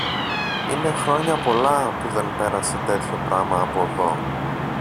Είναι χρόνια πολλά που δεν πέρασε τέτοιο πράμα από δω.